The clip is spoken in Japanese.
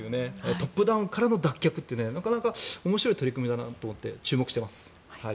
トップダウンからの脱却ってなかなか面白い取り組みだなと思って注目しています。